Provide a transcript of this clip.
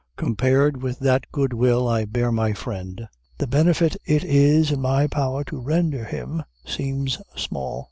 Compared with that good will I bear my friend, the benefit it is in my power to render him seems small.